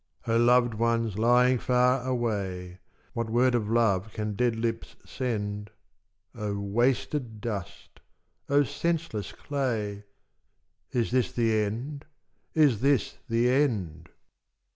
O loved ones lying far away, What word of love can dead lips send! O wasted dust! O senseless clay! Is this the end! is this the end!